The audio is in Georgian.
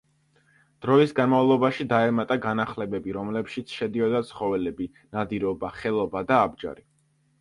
დროის განმავლობაში დაემატა განახლებები რომლებშიც შედიოდა ცხოველები, ნადირობა, ხელობა და აბჯარი.